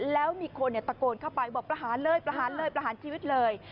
แล้วมีคนตะโกนเข้าไปบอกประหารเลยประหารเลยประหารชีวิตเลย